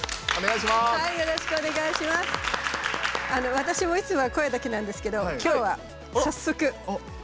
私もいつもは声だけなんですけど今日はさっそくこんな。